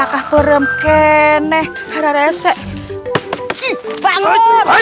aku harus segera ke sana